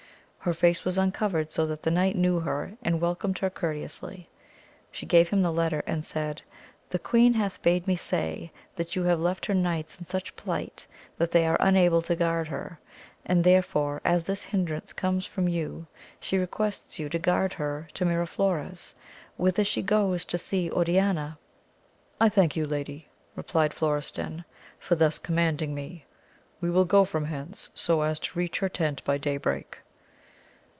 Her face was uncovered, so that the knight knew her, and welcomed her courteously. She gave him the letter and said, the queen hath bade me say that you have lefb her knights in such plight that they are unable to guard her, and therefore as this hindrance comes from you she requests you to guard her to Miraflores, whither she goes to see Oriana. I thank you lady, replied Florestan, for thus commanding me; we will go from hence so as to reach her tent by day break.